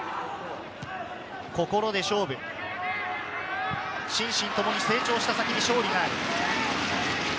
心で勝負、心身ともに成長した先に勝利がある。